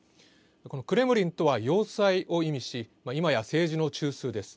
クレムリンとは要塞を意味し、今や政治の中枢です。